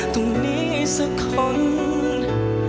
ตรงนี้สักคน